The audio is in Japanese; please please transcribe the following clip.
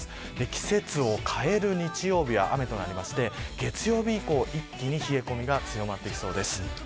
季節を変える日曜日は雨となりまして月曜日以降一気に冷え込みが強まりそうです。